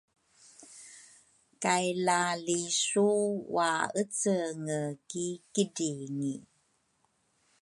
kay lalisu waecenge ki kidringi.